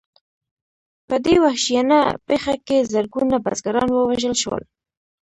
په دې وحشیانه پېښه کې زرګونه بزګران ووژل شول.